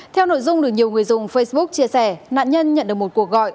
theo nội dung được nhiều người dùng facebook chia sẻ nạn nhân nhận được một cuộc gọi